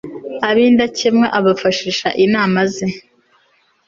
ab'indakemwa abafashisha inama ze